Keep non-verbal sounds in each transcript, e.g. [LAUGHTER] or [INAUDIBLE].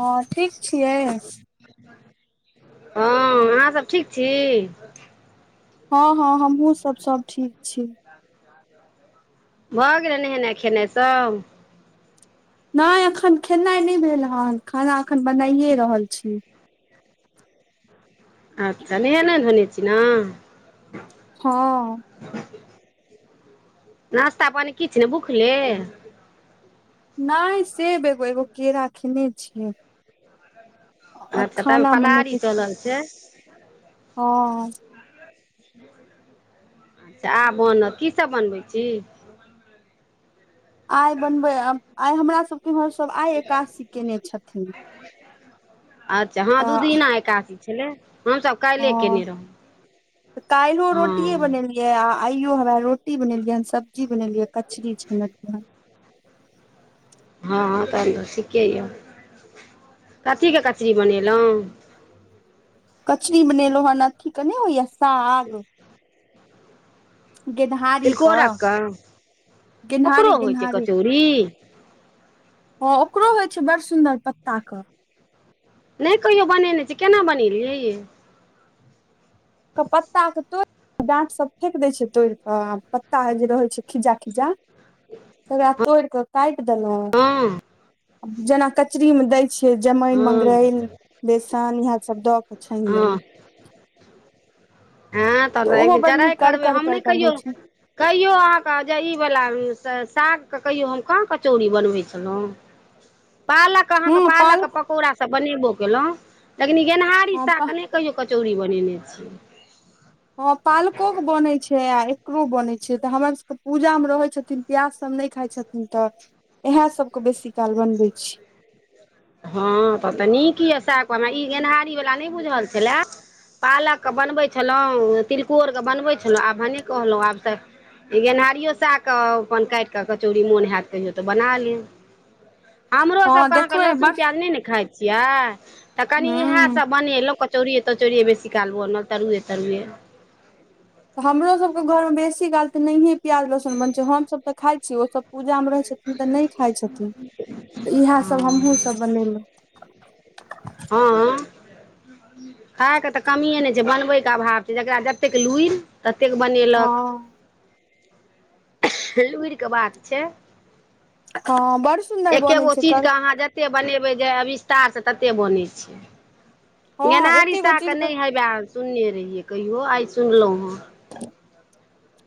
हँ ठीक छियै [INAUDIBLE] हँ अहाँ सब ठीक छी हँ हँ हमहुँ सब सब ठीक छी भऽ गेलै नहेनाइ खेनाइ सब नै एखन खेनाइ नहि भेल हन खाना एखन बनाइए रहल छी अच्छ नेहेने धोने छी न हँ नास्ता पानी किछ नै भूखले नै सेब एगो एगो केरा खेने छियै आओर अच्छ ताबै खाना मे नहि फलाहारी किछु चलल छै [INAUDIBLE] हँ [INAUDIBLE] अच्छ अब बनत की सब बनबै छी आइ बनबे आइ हमरा सबकेँ इम्हर सब आइ एकासी केने छथिन अच्छ हँ दू तऽ दिना एकासी छलै हमसभ काल्हिए हँ कयने रहौँ [INAUDIBLE] काइलो रोटीये हँ बनैलि यै आ आइयो हमरा रोटी बनेलियै हन सब्जी बनेलियै कचड़री छनलियै हन हँ हँ तहन तऽ ठीके यऽ [INAUDIBLE] कथी कऽ कचरी बनैलै कचरी बनेलो हऽ अथी कऽ नै होइए साग गेनहारीे कऽ तिलकोरकके [INAUDIBLE] गेनहारी ओकरो होइ छै गेनहारी कचौड़ी हँ ओकरो होइ छै बड़ सुन्दर पत्ता कऽ नै कहियो बनेने छी केना बनेलियै ये कऽ पत्ता कऽ तोइर डाँट सभ फेक दै छियै तोड़ि कऽ आ पत्ता जे रहैत छै खिज्जा खिज्जा तकरा तोइड़ कऽ कैट देलहुँ हँ [INAUDIBLE] जेना कचरी म दै छियै जमाइन हँ मंगरैइल बेसन इहेए सब दऽ कऽ छैन हँ लेलौ ऐ तब तऽ एक ओहो दिन बड़ नीक टराइ करबै करकर हम नहि करकर होइ कहियौ छै कहियो अहाँ केँ जे ई वला साग कऽ कहियो हम कहाँ कचौड़ी बनबै छलहुँ पालक अहाँकेँ पालक पकौड़ा सभ बनेबो केलौ लेकिन गेनहारी हँ साग नहि कहियो कचौड़ी बनेने छियै ह पालको के बनै छै आ इहो बनै छै तऽ हमर सभके पूजामे रहै छथिन प्याज सभ नहि खाइ छथिन तऽ इएहे सभ के बेसी काल बनबै छी हँ तऽ नीक यए साग वला ई गेनहारी वला नै बुझल छलए पालके बनबै छलहुँ तिलकोरके बनबै छलहुँ आब भने कहलहुँ आब तऽ इ गेनहारियो साग कऽ अपन काटि क कचौड़ी मोन होयत कहियो तऽ बना ली हमरो हँ सभके अहाँकेँ देखबै लहसुन बड़ प्याज नै ने खाइ छियै तऽ कनी इएह हूँ सभ बनेलहु कचौड़िये तचौरिेये बेसी काल बनल तरुए तरुए। हमरो सभके घरमे बेसी काल त नहियए प्याज लहसुन बन छै हमसभ तऽ खाइ छी ओसब पूजामे रहै छथिन तऽ नहि खाइ छथिन त इएह सभ हमहुँ हँ सभ बनेलहुँं हा खायके तऽ कमिए नहि छै बनबैके अभाव छै जकरा जतेक लुइड़ि ततेक बनेलक। हँ लूएल के बात छै हँ बड़ सुन्दर बनैत छै कर। ते बनेबै जे अविस्तार से तते बनै छै। हँ गेनहारी एके गो सागके चीज के नहि हेवए सुनने रहियै कहियो आइ सुनलहुँ हे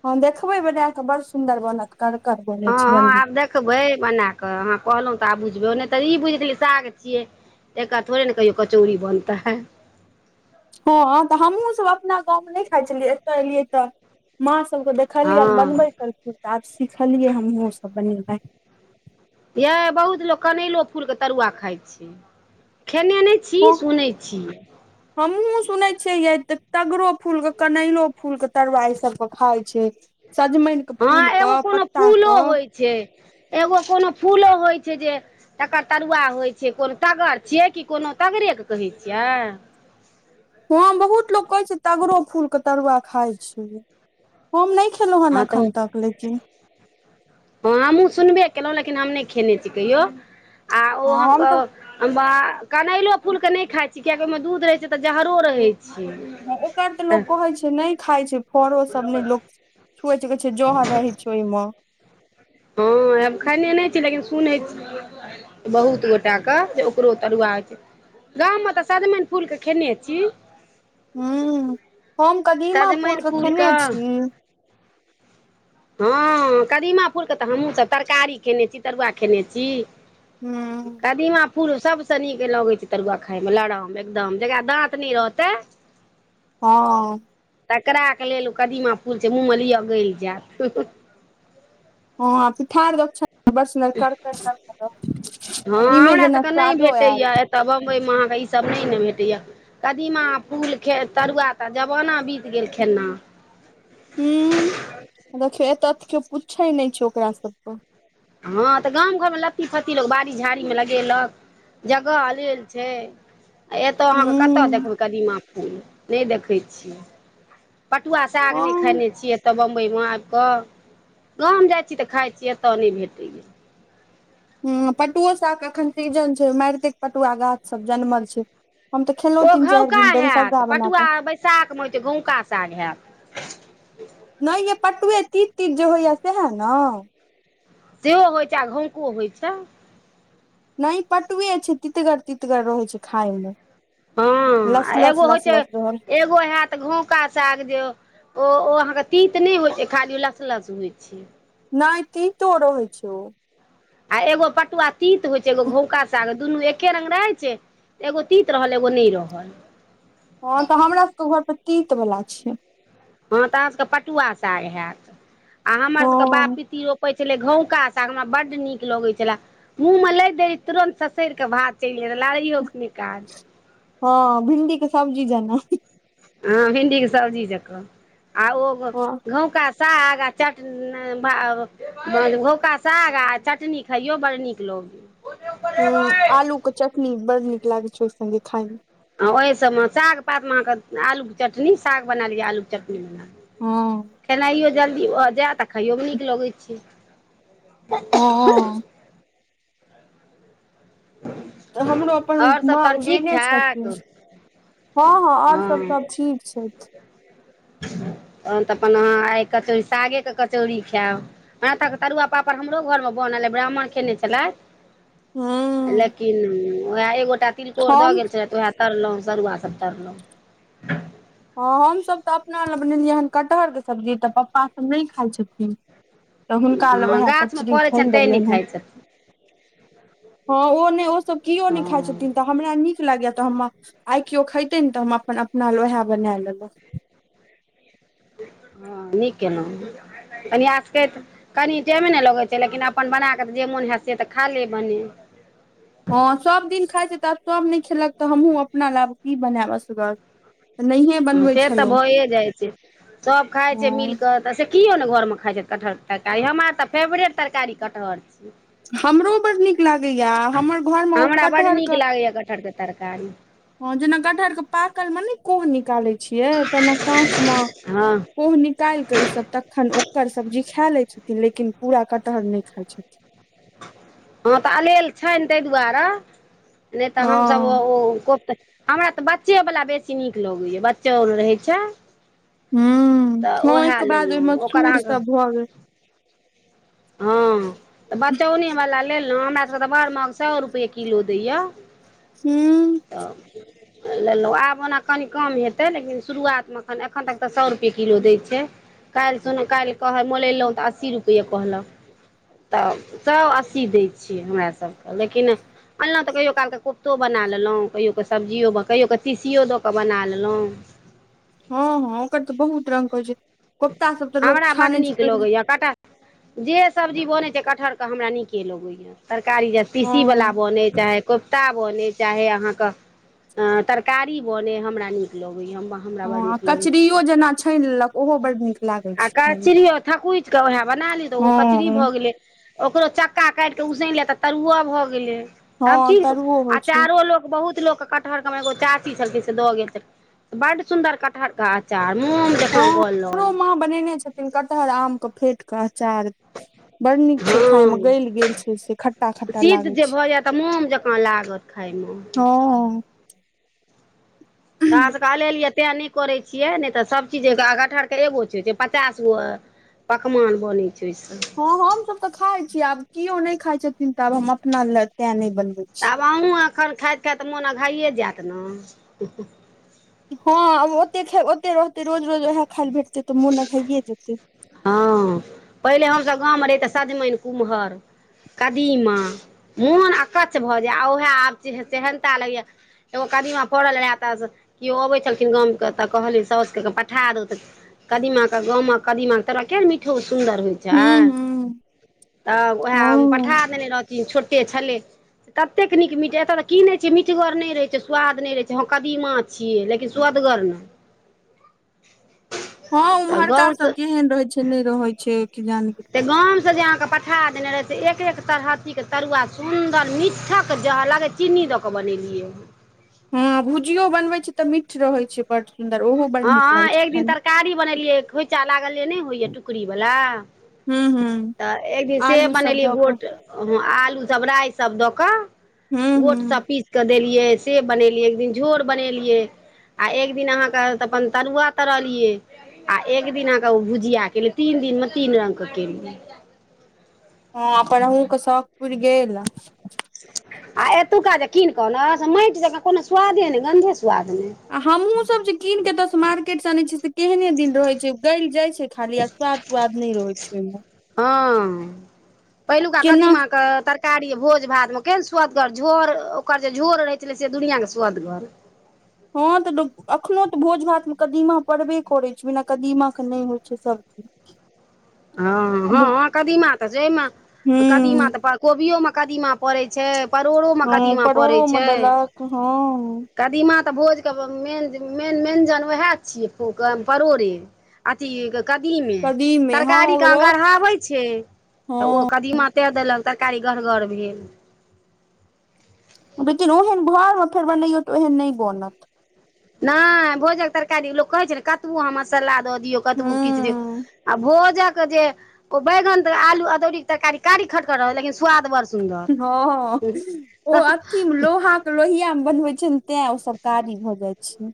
हँ देखबै बनाक बड़ सुन्दर बनत [UNINTELLIGIBLE] ह ह बनबै आब देख दखबै बना कऽ अहाँ कहलहुँ त आब बुझलौ नै तऽ ई बुइझ गेलियै साग छियै एक्का थोड़े ने कहियो कचौड़ी बनतै ह हँ तऽ हमहूँ सभ अपना गाव मे नै खाइ छलियै एतऽ एलियै तऽ माँ सभके देख खलयन हँ बनबै छलखिन त आब सीखलयै हमहूॅं सभ बनेनाय यै बहुत लोक कनैलो फूल के तरुआ खाय छै। खेने नै छी सुनै छी। हमहूँ सुनै छियै य तऽ तगरो फूलके कनैलो फूलके तरुआ ई सभके खाइ छै सजमैनके हँ फूल कऽ एगो कोनो पत्ता फूलो क होइ एगो कोनो फूलो होइ छै जे तकर तरुआ होइ छै कोन तगर छियै कि कोनो तगरेके कहै छियै। हँ बहुत लोक कहै छै तगरो फूल के तरुआ खाय छै हम ने खेलौ हन हँ तऽ एखन तक लेकिन हँ हमहूँ सुनबे केलूॅं लेकिन हम नै खेने छी कहियो ओ हम हँ ओ तऽ कनैलो फूल के नै खाइ छी कियाकि ओयमे दूध रहै छै तऽ जहरो रहै छै हॅं ओकर त तऽ लोक कहै छै नै खाय छै फरो सभ ने लोक छुए छै कहै छै जहर रहै छै ओयमे हँ हम खयने नै छी लेकिन सुनै छी। बहुत गोटा के जे ओकरो तरुआ होय छै। गाममे त सजमैन फूल के खेने छी हू हम कदीमा फूल सजमनि के खेने फूलके छी ह कदीमा फूलके तऽ हमहूँसभ तरकारी खेने छी तरुआ खेने छी हू कदीमा फूल सभसँ नीक लगै छै तरुआ खाय मे लरम एकदम जकरा दाँत नै रहतै [INAUDIBLE] हँ। तकरा क लेल ओ कदीमा फूल छै मूॅंह मे लिआ गइल जायत हँ आ पीठार दोके छै बड़ सुनर करकर तरूआ रहै छै कदीमे जेना स्वादो आयल। त बम्बई मे अहाँकेँ ई सभ नै न भेटैया कदीमा फूलखे तरुआ त जमाना बीत गेल खेना उ देखियौ एत तऽ केओ पूछे नै छै ओकरा सभके ह तऽ गाम घरमे लत्ती फत्ती लोक बाड़ी झाड़ी मे लगेलक जगह अलेल छै आ एतय अहाँकेँ कतय हूं देखबै कदीमा फूल नै देखै छियै पटुआ साग नै हँ खने छियै। त बम्बइमे आयब कऽ गाम जाइ छी तऽ खाइ छी एतऽ नै भेटैया हूँ पटुओ सागके एखन सीजन छै मारिते के पटुआ गाछ सभ जनमल छै हम तऽ खेलौ तीन चाइर दिन दैल सग्गा बनाकऽ साग से होइ छै तऽ गहुँका साग हैत नै यै पटुए तीन तीन जगह या सएह न सेहो होइ छै आ घौको होइ छै। नै पटुए छै तितगर तितगर रहै छै खाय मे हँ लस आ लस एगो होइ लस छै लस रहल एगो हयत घौका साग जे ओ ओ अहाँकेँ तीत नै होइ छै खाली लस्स लस्स होइ छै नै तीतो रहै छै ओ। आ एगो पटुआ तीत होइ छै एगो घौका साग दुन्नू एके रंग रहै छै। एगो तीत रहल एगो नै रहल। हँ तऽ हमरा सभके घर पर तीत वला छै हँ तऽ अहाँ सभके पटुआ चाय हयत आ हमर हँ सभके बाप पिती रोप पै छलै घौका साग हमरा बड्ड नीक लगैत छले मुँह मे लागि देली तुरन्त ससै कऽ भाव चलि जाय रह लड़ाइयओ निकाज ह भिणडी के सब्जी जेना ह भिडी के सब्जी जक आ ओ हँ गका साग आ चटनी भका साग आ चटनी खइयो बड़ नीक लोग। हू आलू के चटनी बड़ नीक लागे छै ओहि संगगे खाय मे ओहि सभमे साग पातमे अहाँकेँ आलूके चटनी साग बना लिअ आलूके चटनी हँ खेनाइयो जल्दी भऽ जाय तऽ खायोमे नीक लगैत छै। हा तऽ हमरो अपन आओर सभ माँ तहन ठीक उहे ठाक छथिन। हँ हँ आओर सभ सभ ठीक छथि तहन तऽ अपन अहाँ आइ कचौड़ सागेके कचौड़ी खायब। मराथाके तरुआ पापड़ हमरो घरमे बनल अइ ब्राह्मण कयने छलथि। ह लेकिन उएह ए गोटा तिलकोर दऽ हम गेल छलथि तऽ उएह तरलहुँ सरुआ सभ तरलहुँ ह हमसभ तऽ अपना लग बनेलियै हन कटहरके सब्जी तऽ पप्पा नहि खाइत छथिन तऽ हुनका लए हँ उएह गाछमे कचरी फड़ै छनि छानि तैँ नहि देलियनि हैं खाइ छथिन हँ ओ नहि ओसभ केओ नहि खाइ छथिन हँ तऽ हमरा नीक लागय त हमरा। आइ केओ खेते ने त हम अपन अपना लहे बना लेलहु ह नीक केलहुँ कन्यास करैत कनि टाइमे नहि लगैत छै लेकिन अपन बना कऽ तऽ जे मोन होयत से त खा ले बने हँ सभ दिन खाइ छै तऽ आब सभ नहि खेलक तऽ हमहूँ अपना लब की बनायबसगर। से तऽ भए जाइ छै सभ खाय छै मिल हँ कऽ त से किओ नहि घरमे खाइत छथिटहर तरकारी हमरा तऽ फेवरेट तरकारी कटहर छी हमरो बड़ नीक लागैए हमर घरमे ओ कटहरके कठर तरकारी। हैं जेना कटहर के पाकल मे ने कोह निकाले छै छिय त काँच हँ मे निकाल केऽ ई सभ तखन ओकर सब्जी खा ले छथिन लेकिन पूरा कटहर नहि खाय छथिन हँ तऽ अलेल छनि ताहि दुआरे नहि तऽ हमसभ हँ त हमरा तऽ बच्चे वाला बेसी नीक लगैया बच्चो आर रहैत छै हूँ तऽ हँ उएह ओहिके बाद लेलहुँ ओहिमे ओकर सूर अहाँकेँ सब भऽ गेल ह त बचौनेवला लेलहुँ हमरासके तऽ बड़ महग सए रुपैए किलो दैए हू। त। लेलहुँ आब ओना कनि कम हेतै लेकिन शुरुआतमे एखन तक तऽ सए रुपए किलो दै छै। काल्हि सुन काल्हि कहइ मोलेललहुँ तऽ अस्सी रुपैए कहलक। तऽ सभ अस्सी दै छियै हमरासभके लेकिन। अनलहुँ तऽ कहिो कालके कुप्तो बना लेलहुँ कहियो कऽ सब्जियो कहियो क तीसियो दऽ कऽ बना लेलहुँ हँ हँ ओकर तऽ बहुत रंग के हो छै कफ्ता सभ तऽ लोक छानै छै त काटा। जे सब्जी बनै छै कटहरके हमरा नीके लगैएा तरकारी जे पीसी वला हँ बनै चाहे। कोफ्ता बने चाहे अहाँकेँ तरकारी बने हमरा नीक लगेया हम हमरा बड़ हँ नीक लगैए कचरो जेना छानि लेलक ओहो बड्ड नीक लागैत छै खायमे थकुच के वह बना ली तऽ ओहो कचरी हँ भऽ गेले ओकरो चक्का काटि कऽ सन ले त तरुआ भऽ गेलै सभ हँ चीज तरुओ होइ छै आचारो लोक बहुत लोक क कटहर के मे एगो चाची छलखिन से द गेल छल बड सुंन्दर कटहर के आचार मुम हँ हमरो माँ बनेने छथिन कटहर आमके फेटि कऽ अचार ह। बड़ नीक छै खाय मे गल गेल छै से खट्टा खट्टा लागै छै। खाइ मे ह तऽ अहाँ। सभके अलेलियै तै नहि करैत छियै नहि तऽ सभचीजे कटहरके एगो छै पचास गो पकवान बनै छै ओहिसँ। तऽ ह हम सभ तऽ खाय छी आब के नहि खाई छथिन त आब हम अपना ले ते ने तऽ आब अहूँ एखन खाइत खाइत मोन घइए जायत ने। हँ ओ ओते रहतै रोज रोज ओएह खाय लए भेटतै तऽ मोन ने भइए जेतै हँ पहिले हमसभ गावमे रहहि तऽ सजमनि कुम्हर कदीमा मोन अकछै भऽ जाय उएह आब सेहनता लगैए एगो कदीमा पड़ल रहए तऽ केओ अबै छलखिन गाम के तऽ कहलिन सउचुके कऽ पठा द कदीमाके गाम मे कऽ कदीमााके तोरह किक मिठो सुन्दर होइ छै हूँ हूँ तऽ उएह पठा हँ देने रहथिन छोटे छलै। ततेक नीक मिठ एतय तऽ की नहि छियै मिटगर नहि रहैत छै स्वाद नहि रहैत छै हँ कदीमा छै छियै लेकिन सुवदगर ने हँ उम्हरका सबन केहन रहे छै नहि रहे छै कि जान गाम से जे अहाँकेँ पठा देने रहय त एक एक तरहथीक के तरुआ सुंन्दर मीठक जह लग छै चीनी दऽ कऽ बनेलियै ह भुजियो बनबैत छै तऽ मिठ रहैत छै बड़ सुन्दर ओहो बड़ नीक लागै हँ छै एक खाय दिन मे तरकारी बनेलियै खोइचा लागल जे नहि होइया टुकड़ी वाला हूँ हूँ त एक दिन से आलू सब बनेलियै दऽ कऽ गोट आलू सभ राइ सभ दऽ कऽ हूँ गोट सभ हूँ पीस के देलियै से बनेलियै एक दिन झोर बनेलियै आ एक दिन अहाँकेँ तऽ अपन तरुआ तरलियै। आ एक दिन अहाँकेँ ओ भुजिया केलियै तीन दिनमे तीन रंग के केलियै हँ अपन अहूँ के शखपुर गेल आ एतुका जे कीन कऽ ने माटि जकाँ कोनो स्वादे नहि गन्धे स्वाद नहि आ हमहूँ सभ जे कीन के एतस मार्केट से अने छियै से केहने दिन रहे छै गल जाय छै खाली आ स्वाद त्वाद नहि रहै छै ओहि मे ह पहिलु का केना कदीमा क तार कारी भोज भात मे केन सुवादगर झोर ओकर जे झोर रहैत छलै से दुनिया के सुवागर हँ तऽ अखनो तऽ भोज भातमे कदीमा पड़बे करैत छै बिना कदीमाक के नहि होइ छै सभ हँ हँ कदीमा तऽ छै कदीमा तऽ कोबिमे कदीमा पड़ै छै परोड़ोमे हँ कदीमा पड़ै परोड़ो मे छै देलक हँ कदीमा तऽ भोजके मेन मेन मेयञ्जन ओएह छियैू परोड़े अथी कदीमे। कदीमे हँ तरकारी ओकरो गढ़हाबै छै तऽ ओ हँ कदीमा त देलक तरकारी गढ़गढ़ भेल लेकिन ओहन घर मे फेर बनइयौ तऽ ओहन नहि बनत। नहि भोजक तरकारी लोक कहै छै ने कतबो अहाँ मसाला द दियौ कतबू किछु दियौ हूँ आ भोजक के जे को बैगन आलू अदौड़ी के तरकारी कारी खटक रहल लेकिन स्वाद बड़स ह ओ अथि लोहा लोहिया मे बनबे छै ने तै ओ सभ कारी भऽ जाइ छै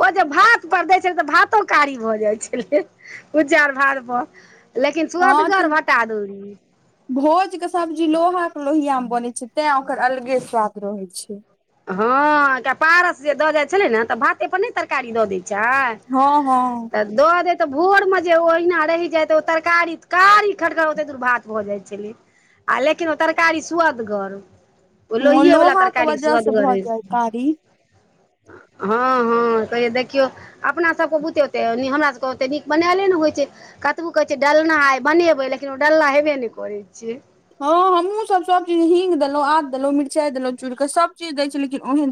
ओ जे भात पर दै छल तऽ भातो कारी भ जाइ छलै उ चार भात पर लेकिन हँ तऽ सअदगर भटा अदोरि भोज के सब्जी लोहा के लोहिया मे बनै छै तें ओकर अलगे स्वाद रहे छै। ह पारस जे दऽ जाय छले ने तऽ भाते परने तरकारी दै छै छै हँ हँ त दऽ दे तऽ भोर मे जे ओहिना रहि जाइत त ओ तरकारी कारी खटखर ओते दूर भात भ जाइत छलै आ लेकिन ओ तरकारी सुवदगर ओ लोहिए वला तरकारी सुअदगर बहुत रहै जायकारी। हँ हँ कहि देखिय अपना सभके बुते ओ ते हमर सभके ओते नीक बनायले ने होइ छै। कतबो कहैत छैयै डालना आइ बनेबै लेकिन ओ डालना हेबे नहि करैत छियै। हँ हमू सभ सभचीज हीङगग देलहुँ आद देलहुँ मिर्चाइ देलहुँ चूड़ कऽ सभचीज दै छै लेकिन ओहन